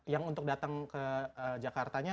yang untuk datang ke jakartanya